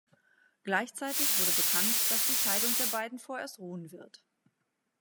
Gleichzeitig wurde bekannt, dass die Scheidung der beiden vorerst ruhen wird.